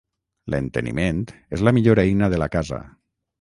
L'enteniment és la millor eina de la casa.